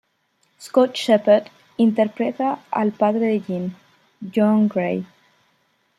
Scott Shepherd interpreta al padre de Jean, John Grey.